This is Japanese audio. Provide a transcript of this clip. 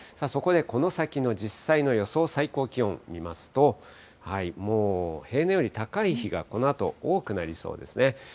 そこでこの先の実際の予想最高気温見ますと、もう平年より高い日が、このあと多くなりそうですね。